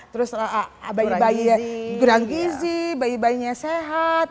terus bayi bayinya sehat